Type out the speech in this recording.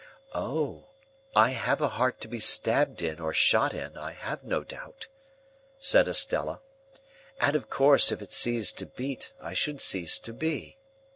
"Oh! I have a heart to be stabbed in or shot in, I have no doubt," said Estella, "and of course if it ceased to beat I should cease to be.